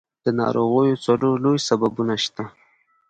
د ناروغیو څلور لوی سببونه شته.